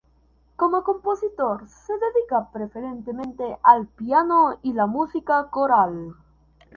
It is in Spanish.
Como compositor, se dedica preferentemente al piano y la música coral.